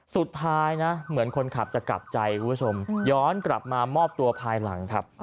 สุดท้ายนะเหมือนคนขับจะกลับใจคุณผู้ชมย้อนกลับมามอบตัวภายหลังครับ